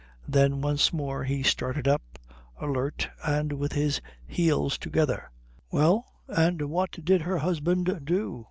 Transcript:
Then once more he started up, alert and with his heels together. "Well, and what did her husband do?"